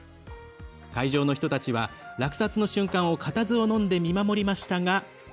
会場の人たちは落札の瞬間を固唾をのんで見守りましたが。